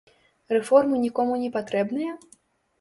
Рэформы нікому не патрэбныя?